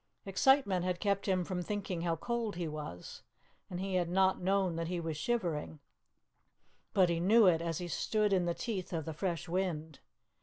Excitement had kept him from thinking how cold he was, and he had not known that he was shivering; but he knew it as he stood in the teeth of the fresh wind.